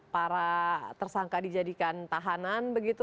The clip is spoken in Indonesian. para tersangka dijadikan tahanan begitu